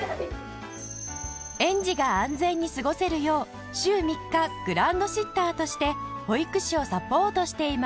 園児が安全に過ごせるよう週３日グランドシッターとして保育士をサポートしています